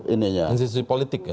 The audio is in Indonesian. institusi politik ya